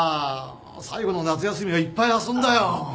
最後の夏休みはいっぱい遊んだよ。